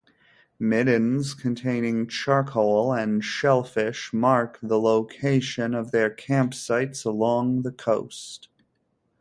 Middens containing charcoal and shellfish mark the location of their campsites along the coast.